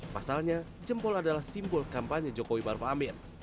pasalnya jempol adalah simbol kampanye jokowi maruf amin